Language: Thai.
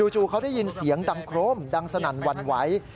จู่เขาได้ยินเสียงดังโครมดังสนั่นหวั่นไหว